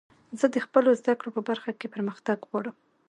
زه د خپلو زدکړو په برخه کښي پرمختګ غواړم.